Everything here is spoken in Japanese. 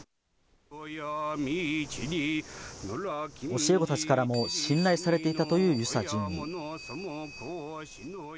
教え子たちからも信頼されていたという遊佐准尉。